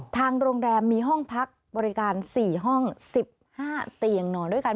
ทางโรงแรมมีห้องพักบริการ๔ห้อง๑๕เตียงนอนด้วยกัน